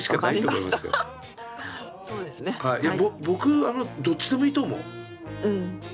いや僕どっちでもいいと思う。